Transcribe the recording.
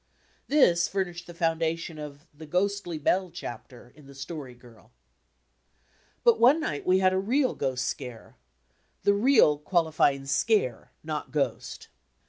This fiunished the foundadon of the "Ghosdy Bell" chapter in The Story Girl. But, one night we had a real ghost scare the "real" qualifying "scare," not "ghost."